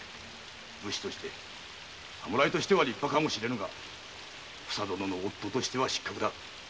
武士としては立派かもしれぬがふさ殿の夫としては失格だ。